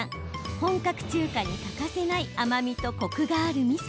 本格中華に欠かせない甘みとコクがあるみそ。